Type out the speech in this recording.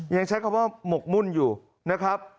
ยังใช้คำว่าหมกมุ่นอยู่นะครับ